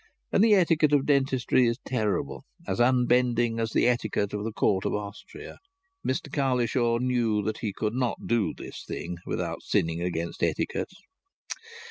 And the etiquette of dentistry is as terrible, as unbending, as the etiquette of the Court of Austria. Mr Cowlishaw knew that he could not do this thing without sinning against etiquette.